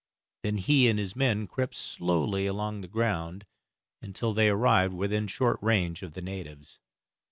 Then he and his men crept slowly along the ground until they arrived within short range of the natives.